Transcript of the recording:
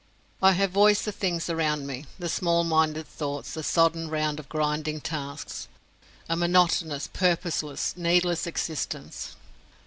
I have voiced the things around me, the small minded thoughts, the sodden round of grinding tasks a monotonous, purposeless, needless existence.